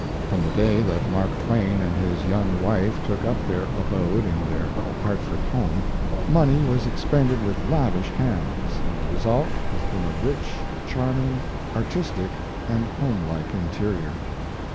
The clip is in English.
From the day that Mark Twain and his young wife took up their abode in their Hart lord home, money was ex pended with lavish hands, and the result has been a rich, charming, artistic and home like interior.